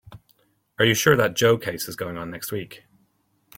Are you sure that Joe case is going on next week?